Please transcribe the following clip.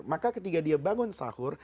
maka ketika dia bangun sahur